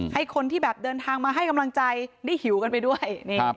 ให้คนที่แบบเดินทางมาให้กำลังใจได้หิวกันไปด้วย